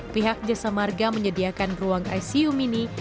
pihak jasa marga menyediakan ruang icu mini